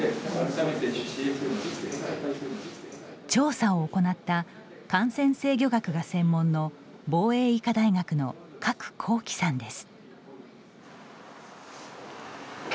調査を行った感染制御学が専門の防衛医科大学の加來浩器さんです。